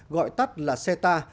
gọi tắt là ceta